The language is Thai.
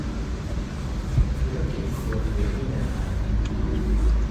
ธุรกิจครัวเรือนนี่นา